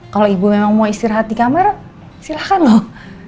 kalo ibu mau istirahat di kamar silahkan loh